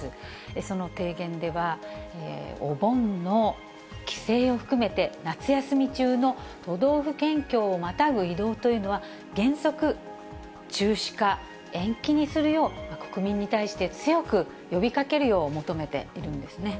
その提言では、お盆の帰省を含めて、夏休み中の都道府県境をまたぐ移動というのは、原則中止か延期にするよう、国民に対して強く呼びかけるよう求めているんですね。